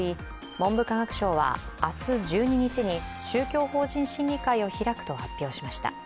文部科学省は、明日１２日に宗教法人審議会を開くと発表しました。